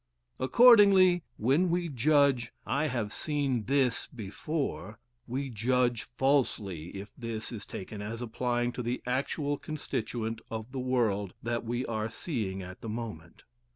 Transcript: Accordingly, when we judge "I have seen THIS before," we judge falsely if "this" is taken as applying to the actual constituent of the world that we are seeing at the moment.